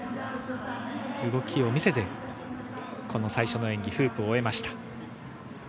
動きを見せて、最初の演技フープを終えました。